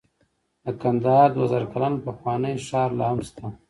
د کندهار دوه زره کلن پخوانی ښار لاهم شته